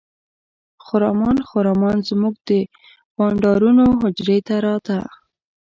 خرامان خرامان زموږ د بانډارونو حجرې ته راته.